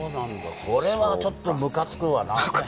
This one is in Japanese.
それはちょっとムカつくわな。